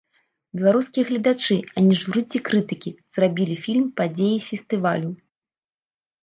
Беларускія гледачы, а не журы ці крытыкі, зрабілі фільм падзеяй фестывалю.